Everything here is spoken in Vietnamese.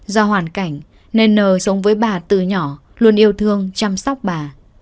do hoàn cảnh nên nờ sống với bà từ nhỏ luôn yêu thương chăm sóc bà